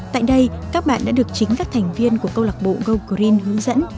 tại đây các bạn đã được chính các thành viên của câu lạc bộ golg green hướng dẫn